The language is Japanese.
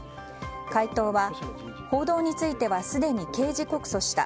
回答は報道についてはすでに刑事告訴した。